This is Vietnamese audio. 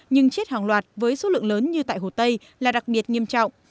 nhưng chết hàng loạt với số lượng lớn như tại hồ tây là đặc biệt nghiêm trọng